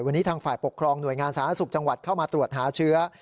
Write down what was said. วันนี้ทางฝ่ายปกครองหน่วยงานสาธารณสุขจังหวัดเข้ามาตรวจหาเชื้อ